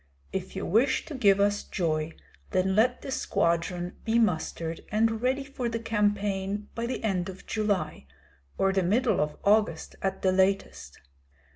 If you wish to give us joy, then let the squadron be mustered and ready for the campaign by the end of July, or the middle of August at the latest.